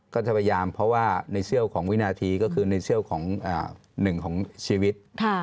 ก็จะพยายามเพราะว่าในเชี่ยวของวินาทีก็คือในเชี่ยวของหนึ่งของชีวิต